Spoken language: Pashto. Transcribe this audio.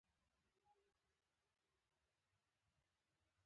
د نارينه تناسلي اله، غيڼ نوميږي.